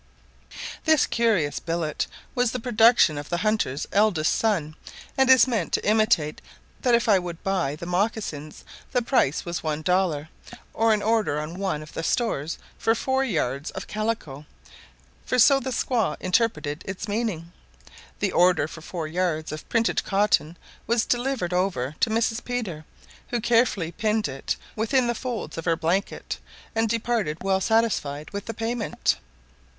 [Illustration: The Prairie] This curious billet was the production of the hunter's eldest son, and is meant to intimate that if I would buy the mocassins the price was one dollar, or an order on one of the stores for four yards of calico; for so the squaw interpreted its meaning. The order for four yards of printed cotton was delivered over to Mrs. Peter, who carefully pinned it within the folds of her blanket, and departed well satisfied with the payment.